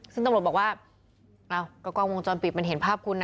ซึ่งตำรวจบอกว่าอ้าวก็กล้องวงจรปิดมันเห็นภาพคุณนะ